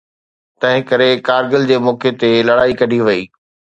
تنهن ڪري ڪارگل جي موقعي تي لڙائي ڪڍي وئي.